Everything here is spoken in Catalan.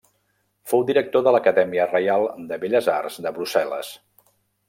Fou director de l'Acadèmia Reial de Belles Arts de Brussel·les.